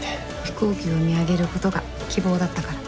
飛行機を見上げる事が希望だったから。